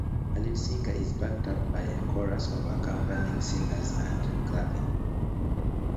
A lead singer is backed up by a chorus of accompanying singers and clapping.